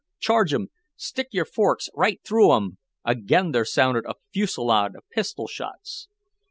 Charge 'em! Stick your forks right through 'em!" Again there sounded a fusillade of pistol shots.